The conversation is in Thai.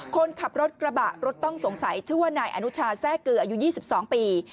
คนขับรถกระบะรถต้องสงสัยชื่อว่านายอนุชาแทร่เกลืออายุ๒๒ปี